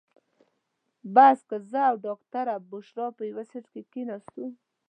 په بس کې زه او ډاکټره بشرا یو سیټ کې کېناستو.